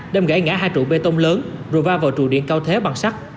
đâm gãy ngã hai trụ bê tông lớn rồi va vào trụ điện cao thế bằng sắc